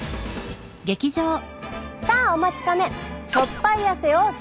さあお待ちかね！